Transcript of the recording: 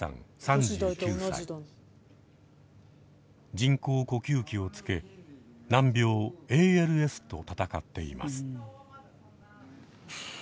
人工呼吸器をつけ難病ＡＬＳと闘っています。